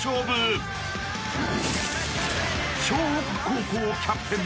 ［笑北高校キャプテン］